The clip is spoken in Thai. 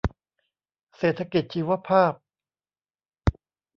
เศรษฐกิจชีวภาพ